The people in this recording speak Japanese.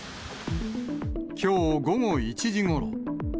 きょう午後１時ごろ。